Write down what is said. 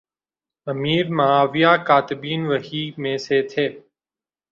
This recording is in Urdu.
امیر معاویہ کاتبین وحی میں سے تھے